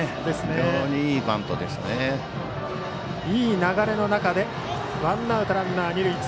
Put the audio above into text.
いい流れの中でワンアウトランナー、二塁。